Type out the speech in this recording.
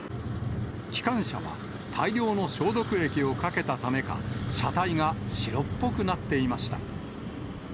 機関車は大量の消毒液をかけたためか、車体が白っぽくなっていました。